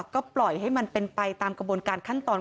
ก็ปล่อยให้มันเป็นไปตามกระบวนการขั้นตอน